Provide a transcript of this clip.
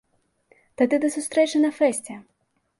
Тады да сустрэчы на фэсце!